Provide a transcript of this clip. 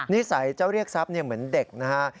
นิสัยเจ้าเรียกทรัพย์เหมือนเด็กนะฮะ